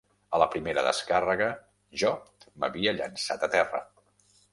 A la primera descàrrega, jo m'havia llançat a terra